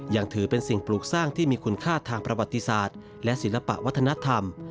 ยังถือเป็นสิ่งปลูกสร้างที่มีคุณค่าทางประวัติศาสตร์และศิลปะวัฒนธรรม